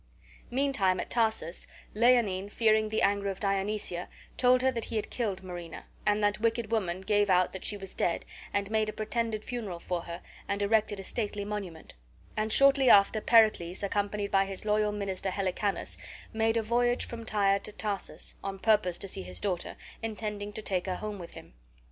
Meantime, at Tarsus, Leonine, fearing the anger of Dionysia, told her he had killed Marina; and that wicked woman gave out that she was dead, and made a pretended funeral for her, and erected a stately monument; and shortly after Pericles, accompanied by his loyal minister Helicanus, made a voyage from Tyre to Tarsus, on purpose to see his daughter, intending to take her home with him.